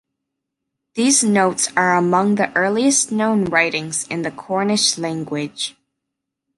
These notes are among the earliest known writings in the Cornish language.